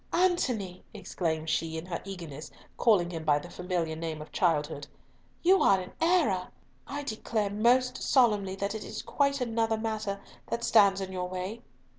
"Antony," exclaimed she, in her eagerness calling him by the familiar name of childhood, "you are in error. I declare most solemnly that it is quite another matter that stands in your way."